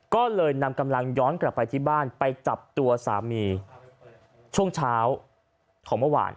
ก็เลยนำกำลังย้อนกลับไปที่บ้านไปจับตัวสามีช่วงเช้าของเมื่อวาน